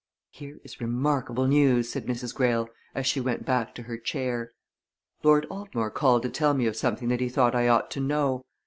"Here is remarkable news!" said Mrs. Greyle as she went back to her chair. "Lord Altmore called to tell me of something that he thought I ought to know.